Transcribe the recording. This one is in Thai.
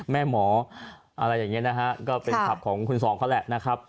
หมออะไรอย่างนี้นะฮะก็เป็นผับของคุณสองเขาแหละนะครับ